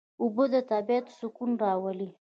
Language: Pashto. اوبه د طبیعت سکون راولي.